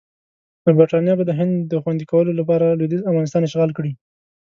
نو برټانیه به د هند د خوندي کولو لپاره لویدیځ افغانستان اشغال کړي.